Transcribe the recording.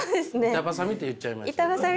板挟みって言っちゃいましたね。